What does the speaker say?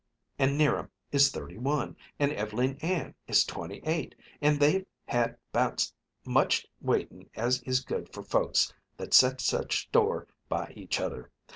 An' 'Niram is thirty one, an' Ev'leen Ann is twenty eight, an' they've had 'bout's much waitin' as is good for folks that set such store by each other.